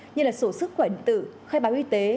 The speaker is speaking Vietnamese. như là sổ sức khỏe tự khai báo y tế